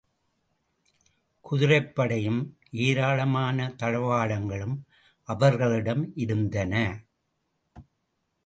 குதிரைப் படையும் ஏராளமான தளவாடங்களும் அவர்களிடம் இருந்தன.